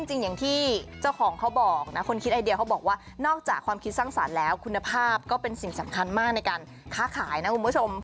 จะสั่งให้เป็นคำพูดที่ผมต้องการนะครับ